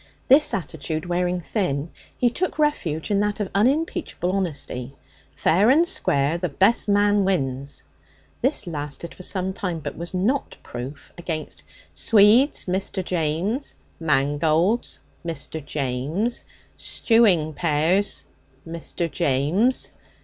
This attitude wearing thin, he took refuge in that of unimpeachable honesty. 'Fair and square! The best man wins!' This lasted for some time, but was not proof against 'Swedes, Mr. James. Mangolds, Mr. James. Stewing pears, Mr. James.'